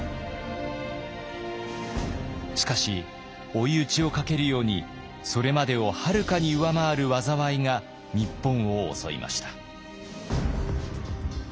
しかし追い打ちをかけるようにそれまでをはるかに上回る災いが日本を襲いました。